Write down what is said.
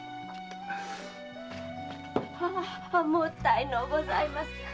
ああもったいのうございます。